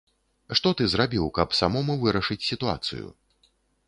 Што ты зрабіў, каб самому вырашыць сітуацыю?